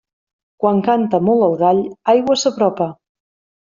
Quan canta molt el gall, aigua s'apropa.